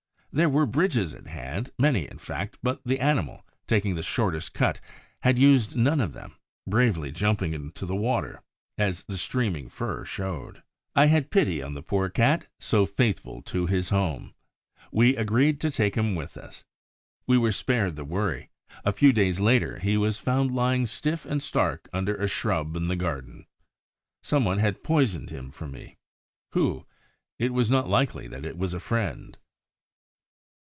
There were bridges at hand, many, in fact; but the animal, taking the shortest cut, had used none of them, bravely jumping into the water, as the streaming fur showed. I had pity on the poor Cat, so faithful to his home. We agreed to take him with us. We were spared the worry: a few days later, he was found lying stiff and stark under a shrub in the garden. Some one had poisoned him for me. Who? It was not likely that it was a friend!